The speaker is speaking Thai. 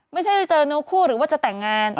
ไม่ใช่เจอนกคู่หรือว่าจะแต่งงาน